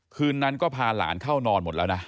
คืนนั้นก็พาหลานเข้านอนหมดแล้วนะ